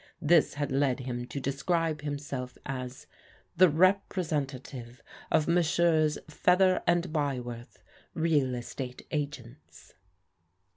This had led him to describe himself as " the representative of Messrs. Feather and Byworth, real estate agents."